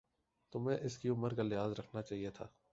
تمہیں اسکی عمر کا لحاظ رکھنا چاہیۓ تھا